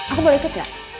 aku boleh ikut gak